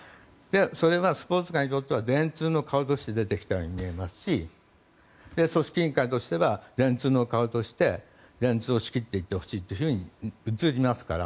それはスポーツ界にとっては電通の顔として出てきたように見えますし組織委員会としては電通の顔として電通を仕切っていってほしいと映りますから。